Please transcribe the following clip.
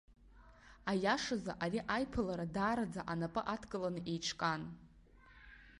Аиашаз, ари аиԥылара даараӡа анапы адкыланы еиҿкаан.